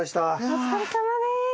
お疲れさまです。